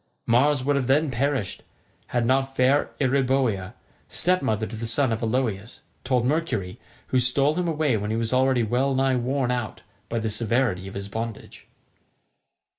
Mars would have then perished had not fair Eeriboea, stepmother to the sons of Aloeus, told Mercury, who stole him away when he was already well nigh worn out by the severity of his bondage.